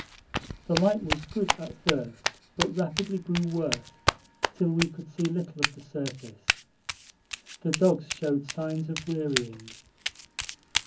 The light was good at first, but rapidly grew worse till we could see little of the surface. The dogs showed signs of wearying.